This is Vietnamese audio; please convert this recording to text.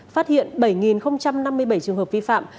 phát hiện bảy năm mươi bảy trường hợp vi phạm